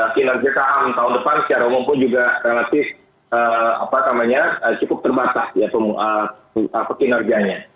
kinerja saham tahun depan secara umum pun juga relatif cukup terbatas kinerjanya